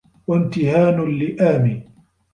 وَامْتِهَانُ اللِّئَامِ